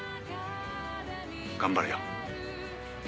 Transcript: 頑張れよ。